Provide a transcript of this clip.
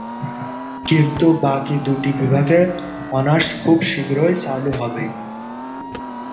কিন্তু বাকি দুটি বিভাগে অনার্স খুব শীঘ্রই চালু হবে।